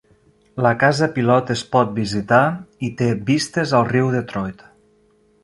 La casa pilot es pot visitar i té vistes al riu Detroit.